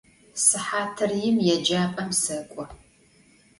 Sıhatır yim yêcap'em sek'o.